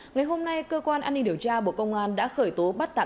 ngày hôm nay cơ quan an ninh điều tra bộ công an đã khởi tố bắt tạm